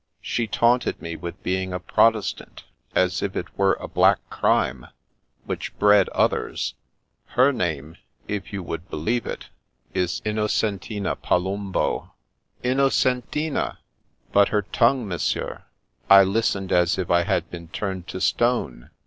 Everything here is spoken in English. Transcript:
She taunted me with being a Protestant, as if it were a black crime which bred others. Her name, if you would believe it, is Inno centina Palumbo — Innocentitia ! But her tongue! io8 The Princess Passes Monsieur, I listened as if I had been turned to stone.